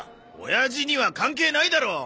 親父には関係ないだろう！